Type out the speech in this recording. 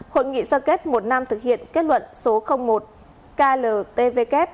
hội nghị sơ kết một năm thực hiện kết luận số một kltvk